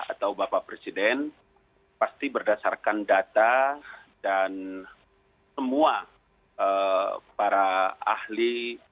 atau bapak presiden pasti berdasarkan data dan semua para ahli